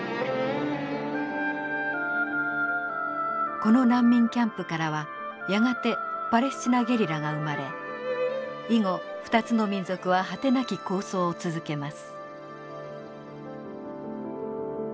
この難民キャンプからはやがてパレスチナゲリラが生まれ以後２つの民族は果てなき抗争を続けます。